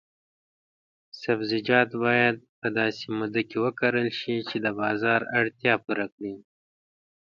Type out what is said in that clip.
سبزیجات باید په داسې موده کې وکرل شي چې د بازار اړتیا پوره کړي.